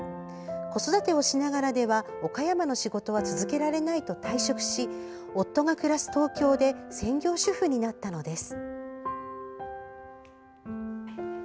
子育てをしながらでは岡山の仕事は続けられないと退職し夫が暮らす東京で専業主婦になったのです。